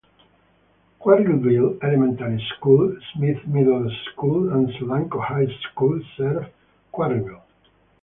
Quarryville Elementary School, Smith Middle School, and Solanco High School serve Quarryville.